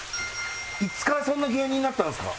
いつからそんな芸人になったんですか？